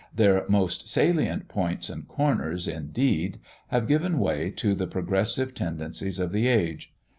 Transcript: Their most salient points and corners, indeed, have given way to the progressive tendencies of the age.